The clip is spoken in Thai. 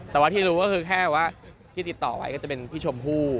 แต่ว่าที่รู้ก็คือแค่ว่าที่ติดต่อไว้ก็จะเป็นพี่ชมพู่